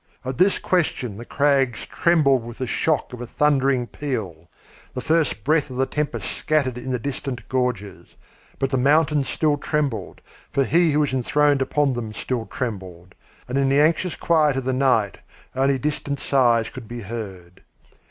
At this question the crags trembled with the shock of a thundering peal. The first breath of the tempest scattered in the distant gorges. But the mountains still trembled, for he who was enthroned upon them still trembled. And in the anxious quiet of the night only distant sighs could be heard.